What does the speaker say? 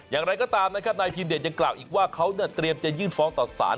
อย่างไรก็ตามนะครับนายพีมเดชยังกล่าวอีกว่าเขาเตรียมจะยื่นฟ้องต่อสาร